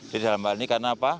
dalam hal ini karena apa